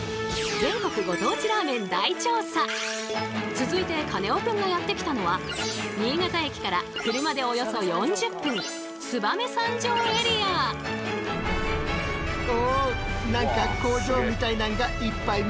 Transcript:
続いてカネオくんがやって来たのは新潟駅から車でおよそ４０分そう！